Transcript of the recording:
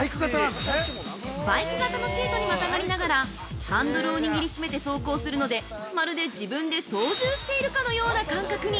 バイク型のシートにまたがりながらハンドルを握りしめて走行するのでまるで自分で操縦しているかのような感覚に！